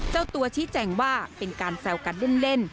เจ้าตัวชี้แจงว่าเป็นการแซวกันเล่น